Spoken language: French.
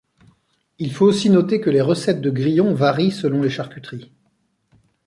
Il faut aussi noter que les recettes de grillons varient selon les charcuteries.